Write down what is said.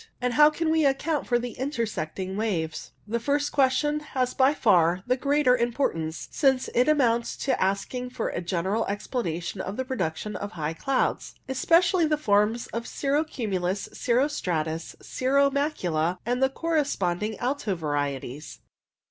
and how can we account for the intersecting waves ? The first question has by far the greater im portance, since it amounts to asking for a general explanation of the production of high clouds, 124 WAVE CLOUDS especially the forms of cirro cumulus, cirro stratus, cirro macula, and the corresponding alto varieties.